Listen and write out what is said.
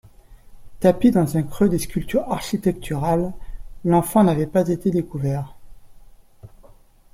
Tapi dans un creux des sculptures architecturales, l'enfant n'avait pas été découvert.